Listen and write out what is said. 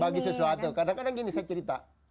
bagi sesuatu kadang kadang gini saya cerita